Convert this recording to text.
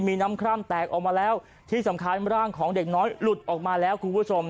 มีน้ำคร่ำแตกออกมาแล้วที่สำคัญร่างของเด็กน้อยหลุดออกมาแล้วคุณผู้ชม